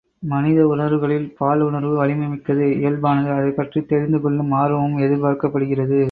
மனித உணர்வுகளில் பால் உணர்வு வலிமை மிக்கது இயல்பானது அதைப் பற்றித் தெரிந்துகொள்ளும் ஆர்வமும் எதிர்பார்க்கப்படுகிறது.